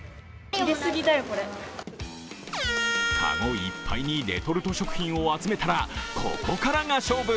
かごいっぱいにレトルト食品を集めたら、ここからが勝負。